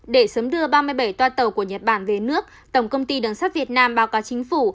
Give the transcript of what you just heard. để sớm đưa ba mươi bảy toa tàu của nhật bản về nước tổng công ty đường sắt việt nam báo cáo chính phủ